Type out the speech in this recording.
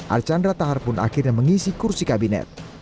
archandra tahar pun akhirnya mengisi kursi kabinet